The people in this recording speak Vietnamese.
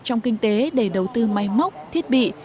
trong kinh tế để đầu tư máy móc thiết bị